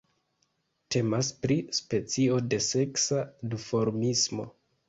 Temas pri specio de seksa duformismo.